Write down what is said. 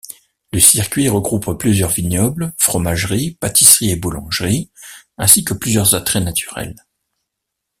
Le circuit regroupe plusieurs vignobles, fromageries, pâtisseries et boulangeries ainsi que plusieurs attraits naturels.